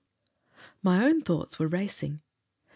My own thoughts were racing.